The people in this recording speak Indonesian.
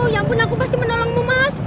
ya ampun aku pasti menolongmu mas